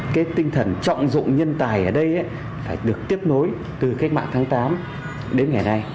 cái tinh thần trọng dụng nhân tài ở đây được tiếp nối từ cách mạng tháng tám đến ngày nay